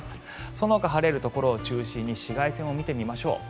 そのほか晴れるところを中心に紫外線を見てみましょう。